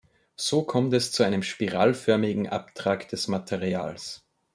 So kommt es zu einem spiralförmigen Abtrag des Materials.